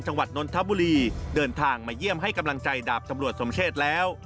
นนทบุรีเดินทางมาเยี่ยมให้กำลังใจดาบตำรวจสมเชษแล้ว